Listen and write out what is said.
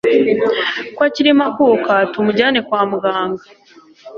ko akirimo akuka tumujyane kwa muganga